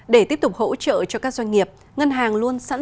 để tiếp tục hỗ trợ cho các doanh nghiệp ngân hàng luôn sẵn sàng